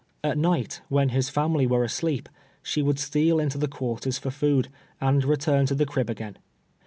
At night, when his family were asleep, she would steal into the quarters for food, and return to the crib again.